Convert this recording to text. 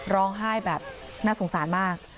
ร้องไห้แบบน่าสงสารมาก